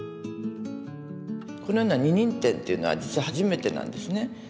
このような二人展っていうのは実は初めてなんですね。